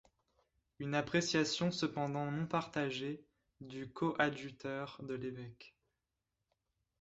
Une appréciation cependant non partagée du coadjuteur de l'évêque.